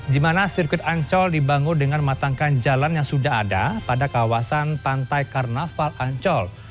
di mana sirkuit ancol dibangun dengan mematangkan jalan yang sudah ada pada kawasan pantai karnaval ancol